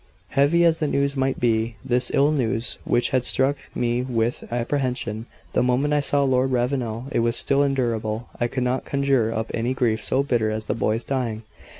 Heavy as the news might be this ill news which had struck me with apprehension the moment I saw Lord Ravenel it was still endurable. I could not conjure up any grief so bitter as the boy's dying.